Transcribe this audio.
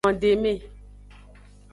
Gbodeme.